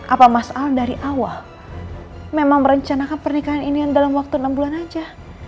apa mas al dari awal memang merencanakan pernikahan ini dalam waktu enam bulan saja